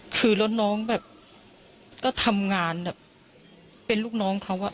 คือแล้วน้องแบบก็ทำงานแบบเป็นลูกน้องเขาอะ